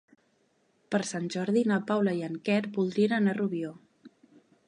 Per Sant Jordi na Paula i en Quer voldrien anar a Rubió.